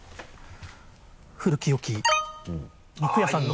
古き良き肉屋さんの。